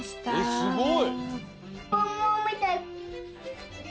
すごい！